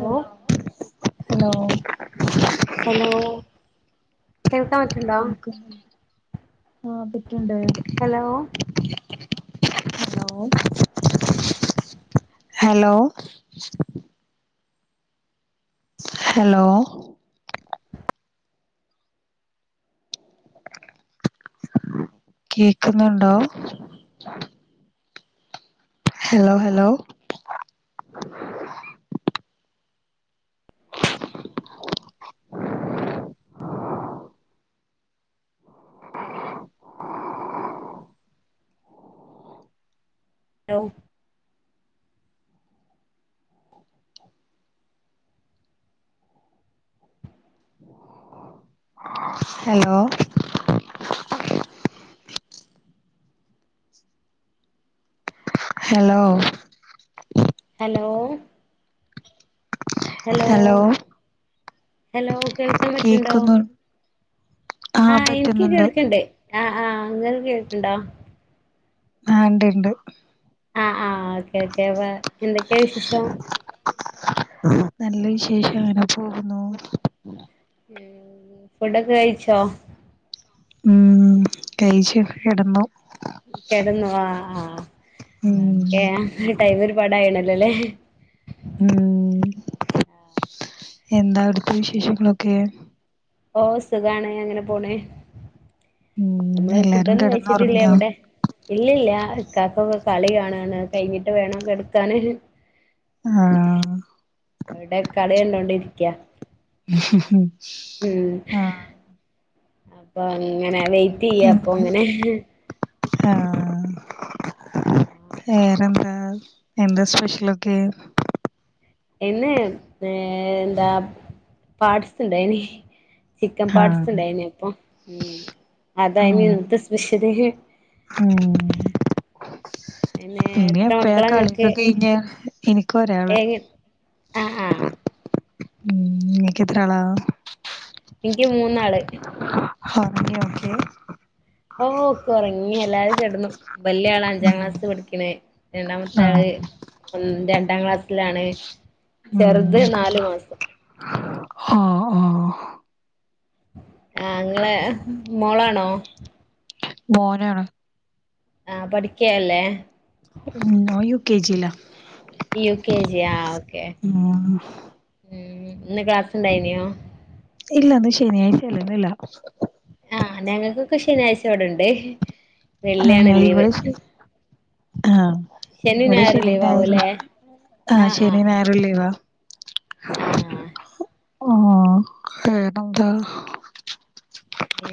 Hello hello hello കേൾക്കാൻ പറ്റ്ണ്ടോ കേക്കുന്നുണ്ട് ആഹ് പറ്റ്ണ്ട് ഹലോ ഹലോ ഹലോ ഹലോ കേക്കുന്നുണ്ടോ hello hello hello hello hello hello hello hello കേൾക്കാൻ പറ്റ്ണ്ടോ കേക്കുന്നു ആഹ് ഇൻക്ക് കേൾക്കണ്ട് ആഹ് ആഹ് ഇങ്ങക്ക് കേൾക്ക്ണ്ടോ? ആഹ് ഇണ്ട് ഇണ്ട് ആഹ് ആഹ് ഓക്കെ ഓക്കെ പ എന്തൊക്കെയാ വിശേഷം നല്ല വിശേഷം അങ്ങനെ പോകുന്നു ഉം ഫുഡൊക്കെ കഴിച്ചോ? ഉം കഴിച്ച് കെടന്നു കിടന്നു ആഹ് ആഹ് ഉം ഓക്കെ ടൈമ് ഒരുപാടായിണല്ലോല്ലേ ഊം എന്താ അവിടുത്ത വിശേഷങ്ങളൊക്കെ? ഓഹ് സുഖണ് അങ്ങനെ പോണ് ഉം നമ്മള് ഫുഡ് എല്ലാരും ഒന്നും കഴച്ചിട്ടില്ലേ കിടന്നുറങ്ങിയോ എവിടെ ഇല്ലല്ല ഇകാക്കൊക്കെ കളി കാണാണ് അത് കഴിഞ്ഞിട്ട് വേണം കെടക്കാന് ആഹ് അവിടെ കളി കണ്ടോണ്ടിരിക്ക ഉം ആഹ് അപ്പൊ അങ്ങനെ വെയ് അങ്ങനെ ആഹ് ആഹ് വേറെന്താ എന്താ സ്പെഷ്യലൊക്കെ ഇന്ന് ഏഹ് എന്താ പാർട്സ് ഇണ്ടേനിം ചിക്കൻ പാർട്സ് ആഹ് ഇണ്ടായിനി അപ്പൊ ഉം അതായിന് ആഹ് ഇന്നത്തെ സ്പെഷ്യല് ഉം പിന്നെ ഇനി എത്ര എപ്പഴാ മക്കള കളിയൊക്കെ ഇങ്ങക്ക് കഴിഞ്ഞെ എനിക്ക് ഒരാള് ഏഹ് ആഹ് ആഹ് ഉം നിങ്ങക്ക് എത്രാളാ ഇൻക്ക് മൂന്നാള് ഒറങ്ങിയോ ഒക്കെ ഓ ഒക്കെ ഒറങ്ങി എല്ലാവരും കിടന്നു വലിയ ആള് അഞ്ചാം ഉം ക്ലാസ് പഠിക്കണെ രണ്ടാമത്തെ ആഹ് ആള് ഒന്ന് രണ്ടാം ക്ലാസ്സിലാണ് ചെറുത് നാാലു മാസം ആഹ് ആഹ് ആഹ് ഇങ്ങളെ മോളാണോ മോനാണ് ആഹ് പഠിക്കയല്ലേ? ഉം അവൻ യു കെ ജി യിലാ യു കെ ജി ആഹ് ഓക്കേ. ഉം ഉം ഇന്ന് ക്ലാസ് ഉണ്ടായിനോ ഇല്ല ഇന്ന് ശനിയാഴ്ച അല്ലേ ഇന്നില്ല ആഹ് ഞങ്ങൾക്കൊക്കെ ശനിയാഴ്ച ഇവിടൊണ്ടേ ആഹ് ഇവിടെ [unintelligible] ആഹ് ശനി ഇവിടെ ഞായറും ശനിം ലീവ് ഞായറും, ആവൂല്ലേ ആഹ് ശനിം ഞായ റും ലീവാ. ആഹ് ആഹ് ആഹ് വേറെന്താ?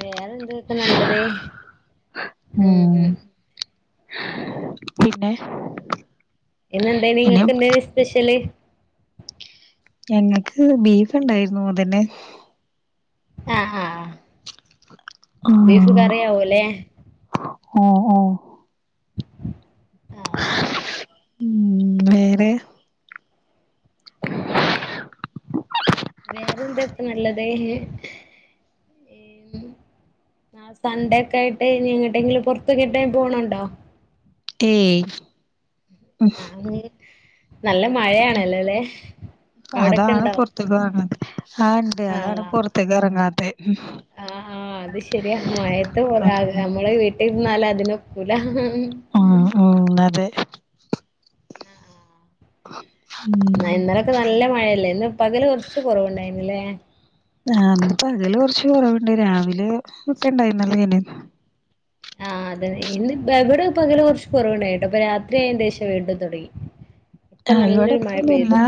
വേറെ എന്തൊക്കെയാണ്ള്ളത് ഉം ഉം പിന്നെ ഇന്ന് എന്താ ഇനി നിങ്ങക്ക് എന്താണ് സ്പെഷ്യല് ഞങ്ങൾക്ക് ബീഫ് ഉണ്ടായിരുന്നു, അതന്നെ ആഹ് ആഹ് ബീഫ് കറി ആവൂല്ലെ ആഹ് ആഹ് ആഹ് ഉം വേറെ വേറെന്താ ഇപ്പൊ നല്ലത് ഉം ആഹ് സൺഡേ ഒക്കെ ആയിട്ട് ഇനി എങ്ങട്ടെങ്കിലും പുറത്ത് [unintelligible] പോണൊണ്ടോ ഏയ് [inaudible] നല്ല മഴയാണല്ലോല്ലെ അവിടൊക്കെ ഉണ്ടോ [unintelligible] ആഹ് ഉണ്ട് അതാണ് പുറത്തേക്ക് ഇറങ്ങാത്തെ ആഹ് ആഹ് അത് ശെരിയാ, മഴയത്ത് ആഹ് നമ്മള് വീട്ടിൽ ഇരുന്നാല് അതിനൊക്കൂല ആഹ് ആഹ് അതെ ആ, ആ. ഉം ഇന്നലൊക്കെ നല്ല മഴയല്ലേ. ഇന്ന് പകല് കുറച്ച് കുറവുണ്ടായിരുന്നില്ലേ ആഹ് ഇന്ന് പകല് കുറച്ച് കുറവുണ്ട്, രാവിലെ ഒക്കെ ഉണ്ടായിരുന്നല്ലോ [unintelligible] ആഹ് അതെ ഇന്ന് ഇവിടെ പകല് കുറച്ച് കുറവുണ്ടായിട്ടോ, ഇപ്പൊ രാത്രിയായ ശേഷം വീണ്ടും തുടങ്ങി ആഹ് ഇവിടെ ഇപ്പൊന്നും ഇല്ലാ,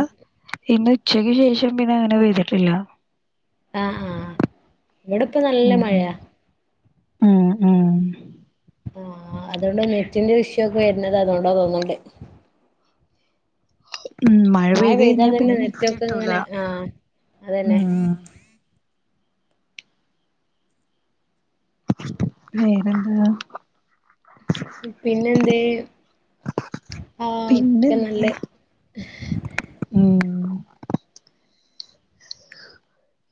ഇന്ന് ഉച്ചയ്ക്ക് ശേഷം പിന്നെ അങ്ങനെ പെയ്തിട്ടില്ല ആഹ് ആഹ് ഇവിടിപ്പം നല്ല മഴയാ ആഹ് ആഹ് ആഹ് അതുകൊണ്ട് നെറ്റിന്റെ വിഷയൊക്കെ വരുന്നത് അതുകൊണ്ടാ തോന്നണുണ്ട് ഉം മഴ പെയ്ത് പെയ്താ കഴിഞ്ഞാൽ തന്നെ പിന്നെ നെറ്റ് നെറ്റൊക്കെ കിട്ടൂല, ഇങ്ങനെ ആഹ് ഉം അതന്നെ വേറെന്താ പിന്നെന്തേ ആഹ് ഒക്കെ നല്ല പിന്നെന്താ ഉം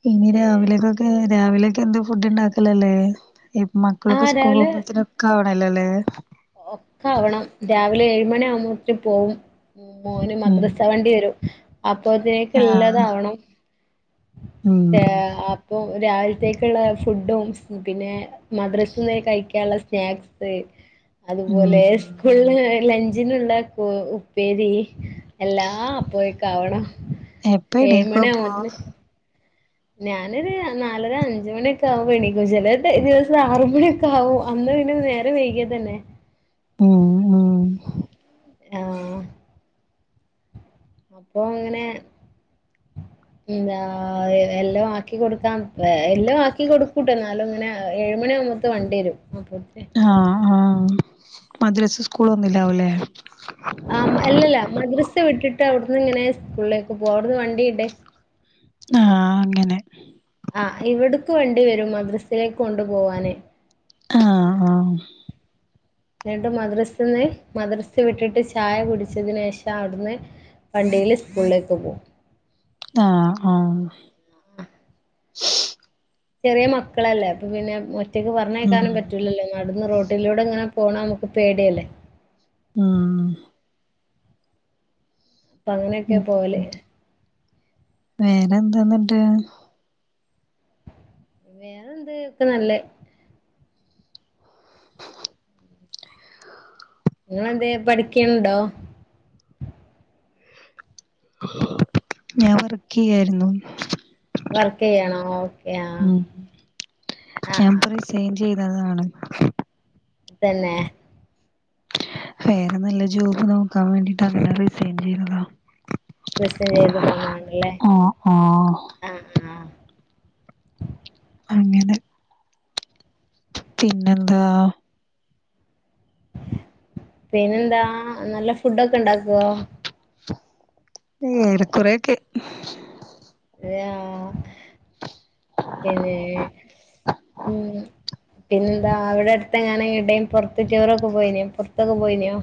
ഇനി ഏഹ് രാവിലേക്കൊക്കെ, രാവിലെക്കെന്ത് ഫുഡ് ഉണ്ടാക്കലല്ലേ ഈ മക്കളൊക്കെ ആഹ് സ്കൂൾ രാവിലെ പോകുമ്പോഴത്തേനൊക്കെ ആവണല്ലോല്ലേ ഒക്കെ ആവണം, രാവിലെ ഏഴുമണി ആവുമ്പോളേക്ക് പോവും ഉം മോന് ഉം മദ്രസ വണ്ടി വരും, അപ്പോഴത്തേക്ക് എല്ലാതും ആഹ് ആവണം ഉം ആഹ് അപ്പോൾ രാവിലത്തേക്കുള്ള ഫുഡും പിന്നെ മദ്രസെ കൊണ്ടോയി കഴിക്കാനുള്ള സ്നാക്സ് അതുപോലെ ഉം സ്കൂളില് ലഞ്ചിനുണ്ടാക്ക ഉപ്പേരി എല്ലാം അപ്പോഴേക്ക് ആവണം എപ്പ ഏഴ് എണീക്കും മണി അപ്പൊ ആവുമ്പത്തേന് ഞാനൊരു നാലര അഞ്ച് മണിയൊക്കെ ആവുമ്പോ എണീക്കും. ചെല ദിവസം ആറുമണിയൊ ക്കാവും, അന്ന് പിന്നെ നേരം വൈകിയത് തന്നെ [inaudible] ഉം ആഹ് പ്പൊ ങ്ങനെ ഉ [unintelligible] ന്താ എല്ല ആക്കിടുക്കാൻ എല്ലാം ആക്കി കൊടുക്കൂട്ട എന്നാലും ഇങ്ങനെ ഏഴുമണി ആകുമ്പ അത്ത് വണ്ടിരും [unintelligible] ആഹ് ആഹ് മദ്രസ് സ്കൂളൊന്നില്ലാവൂല്ലേ ആഹ് മ അല്ലല്ല മദ്രസ വിട്ടിട്ട് അവിട്ന്ന്ങ്ങനെ സ്കൂളിലേക്ക് പോകും അവിട്ന്ന് വണ്ടിണ്ട് ആഹ് അങ്ങനെ ആഹ് ഇവിടുക്ക് വണ്ടി വരും മദ്രസിയിലേക്ക് കൊണ്ടു പോകാനായി ആഹ് ആഹ് ന്നിട്ട് മദ്രസിന്ന് മദ്രസ് വിട്ടിട്ട് ചായ കുടിച്ചതിന് ശേഷം അവിട്ന്ന് വണ്ടിയിൽ സ്കൂളിലേക്ക് പോവും ആഹ് ആഹ് ചെറിയ മക്കളല്ലേ അപ്പൊ പിന്നെ ഒറ്റയ്ക്ക് ഉം പറഞ്ഞയക്കാനും പറ്റൂലല്ലോ നടന്ന് റോട്ടിലൂടെ ഇങ്ങനെ പോണ നമ്മക്ക് പേടിയല്ലേ ഉം പ്പ അങ്ങനെക്കെ പോവല് വേറെന്താ ന്നട്ട് വേറെ എന്ത് ഒക്കെ നല്ലെ ങ്ങളെന്തെ പഠിക്ക്ണ്ണ്ടോ ഞാൻ വർക്കെയ്യായിരുന്നു വർക്കെയ്യണോ ഓക്കേ ആഹ് ആഹ് ആഹ് സെെൻ ചെയ്തതാണ് തന്നെ? വേറെ നല്ല ജോബ് നോക്കാൻ വേണ്ടീട്ട് അങ്ങനെ റിസൈൻ ചെയ്തതാ [unintelligible] പോന്നതണല്ലേ ആഹ് ആഹ് ആഹ് ആഹ് അങ്ങനെ പിന്നെന്താ? പിന്നെന്താ നല്ല ഫുഡൊക്കെ ഇണ്ടാക്കോ? ഏറെ കുറെക്കെ [unintelligible] [inaudible] പിന്താ അവിടെ അടുത്ത് എങ്ങാനെങ്ങിട്ടേ പുറത്ത് ടൂറൊക്കെ പോയിനോ പൊറത്തൊക്കെ പോയിനോ?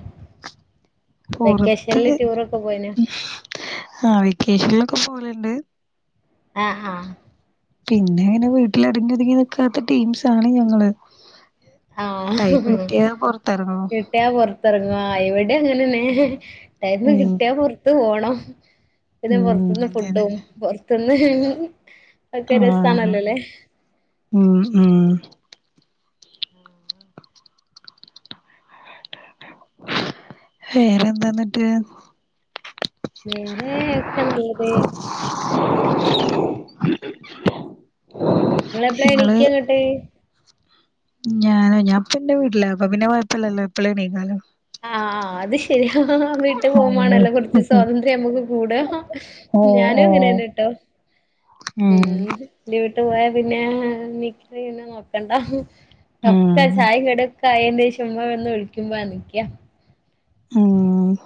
പൊറത്ത് വെക്കേഷനിൽ ടൂറൊക്കെ പോയിനോ ആഹ് വെക്കേഷൻലക്കെ പോകല്ണ്ട് ആഹ് ആഹ് പിന്നെ അങ്ങനെ വീട്ടിലടങ്ങിതുങ്ങി നക്കാത്ത ടീംസ് ആണ് ഞങ്ങള് ടൈം ആഹ് കിട്ടിയാ പുറത്തിറങ്ങും കിട്ടിയ പൊറ ത്തെറങ്ങ ഇവിടെ അങ്ങനെന്നെ ടൈന്ന് ഉം കിട്ടിയാ പൊറത്ത് പോണം പിന്നെ ഉം പൊറത്തുന്ന് അതെ അതെ ഫുഡും പൊറത്ത്ന്ന് ആഹ് ഉം ഉം വേരെന്താ ന്നിട്ട് വേറെ ഒക്കെ നല്ലത് ങ്ങളെപ്പളാ എണീക്ക ന്നട്ട് ഞാന് ഞാൻപ്പന്റെ വീട്ടിലപ്പ പിന്നെ കുഴപ്പമില്ലല്ലോ എപ്പള എണീക്ക ആഹ് അത് ശരിയാ വീട്ടു ഓഹ് പോകമാണല്ലോ കൊറച്ച് സ്വാതന്ത്ര്യം നമുക്ക് കൂട ഓഹ് ഞാനും ഓഹ് അങ്ങനെന്നെട്ടോ, ഉം ഇന്റെ വീട്ടു പോയാ പിന്നെ നീക്കല് പിന്നെ നോക്കണ്ട ഉം ഒക്കെ ചായിം കടിയൊക്കെ ആയേന്റെശം ഉമ്മ വന്ന് വിളിക്കുമ്പോ നീക്ക ഉം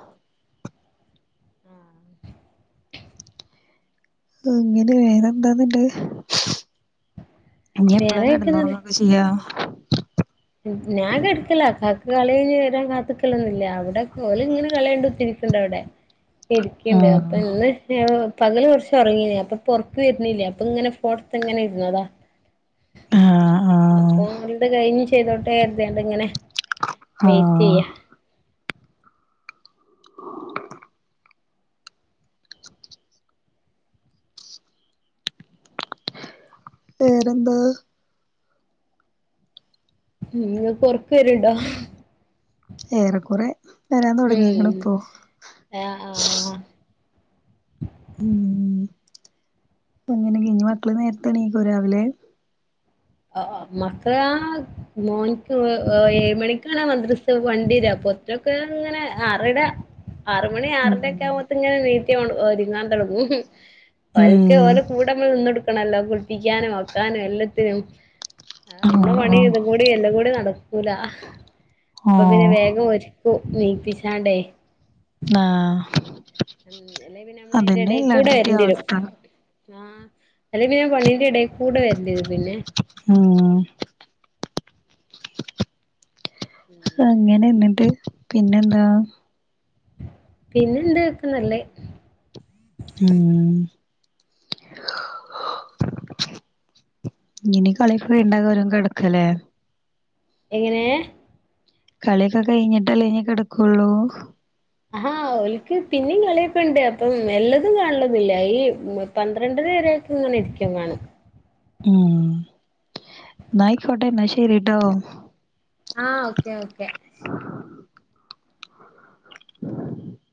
ഇങ്ങനെ വേറെ എന്തോന്നുണ്ട് ഇനി എപ്പളാ വേറെയൊക്കെ നല്ല കെടന്നുറങ്ങ കൊർച്ചെയ്യോ? ഞാൻ കെടക്കല കാക്കു കളി കഴിഞ് വരാൻ കാത്ത്ക്കലൊന്നുല്ല അവിടെ ഓല് ഇങ്ങനെ കളിയണ്ട് കുത്തിരി ക്ക്ണ്ട് അവ്ടെ ഇരിക്കിണ്ട് അപ്പൊ ആഹ് ഇന്ന് പകല് കൊർച്ച് ഒർങ്ങീനിം അപ്പൊപ്പൊ ഒർക്ക് വര്ന്നില്ല അപ്പൊ ഇങ്ങനെ ഫോൺത് ഇങ്ങനെ ഇര്ന്നതാ ആഹ് ആഹ് അപ്പൊ ഒന്നുകൂടെ കഴിഞ്ഞ് ചെയ്തോട്ടേ കര്തിയാണ്ട് ഇങ്ങനെ ആഹ് വെയിറ്റെയ്യ വേറെന്താ ഉം ഇങ്ങക്ക് ഒർക്ക് വെര്ണ്ടോ? ഏറെക്കുറേ ഉം ആഹ് ആഹ് ഇഞ്ഞ് മക്കള് നേര്ത്തെ എണീക്കൊ രാവിലെ അ ആ മക്കാളാ മോൻക്ക് ഏഴ് മണിക്കാണ് മദ്രസ് വണ്ടിവെരാ അപ്പൊത്തിനൊക്കെ ഇങ്ങനെ ആറരാ ആറ്മണി ഉം ആറരെക്കെ ആവുമ്പോത്ത ഇങ്ങനെ നീറ്റി ഒര്ങ്ങാൻ തൊടങ്ങും ഓ ഉം ഓലെ കൂടമ്മൾ നിന്നൊട്ക്കണല്ലോ കുൾപ്പിക്യനും ഒക്കാനും എല്ലത്തിനും അമ്മളെ ആഹ് പണിം ആഹ് ഇതും കൂടി എല്ലം കൂടി നടക്കൂല അപ്പ പിന്നെ ഓഹ് വേഗം ഒരുക്കും നീപ്പിച്ചാണ്ടേ. ആഹ് ഉം അല്ലെ പിന്നെ അമ്മളെ അതിന്റെ അതന്നെ എടേകൂടെ എല്ലായിടത്തത്തെയും വര്ണ്ടിയെരും അവസ്ഥ ആഹ് അല്ലെ പിന്നെ പണിന്റെ എടേ കൂടെ വര്ണ്ടിയെരും പിന്നെ ആഹ് അങ്ങനെ ഇന്നട്ട് പിന്നെന്താ? പിന്നെ എന്ത് ഒക്കെ നല്ലേ ഉം ഇഞ്ഞിനി കളിയൊക്കെ കഴിഞ്ഞിട്ടാവും അവര് വന്ന് കെടക്കലെ എങ്ങനേ കളിയൊക്കെ കഴിഞ്ഞിട്ടല്ലേ ഇനി കെടക്കൊള്ളൂ ആഹാ ഓല്ക്ക് പിന്നിം കളിയൊക്കെണ്ട് അപ്പം എല്ലതും കാണലൊന്നുല്ല ഈ പന്ത്രണ്ടര വരെയൊക്കെ ഇങ്ങനെ ഇരിക്കും വാണം ഉം ഇന്നാ അയിക്കോട്ടെ ഇന്നാ ശെരിട്ടോ ആഹ് ഓക്കേ ഓക്കേ